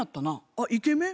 あっイケメン？